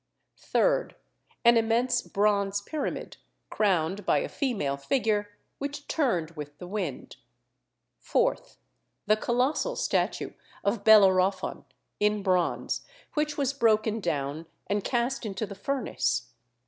3d. An immense bronze pyramid, crowned by a female figure, which turned with the wind. 4th. The colossal statue of Bellerophon, in bronze, which was broken down and cast into the furnace.